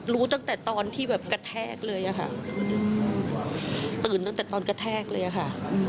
รู้ตั้งแต่ตอนที่แบบกระแทกเลยค่ะ